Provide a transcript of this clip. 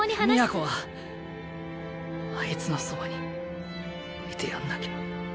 都はあいつのそばにいてやんなきゃ。